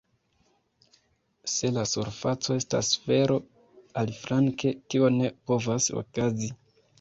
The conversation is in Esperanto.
Se la surfaco estas sfero, aliflanke, tio ne povas okazi.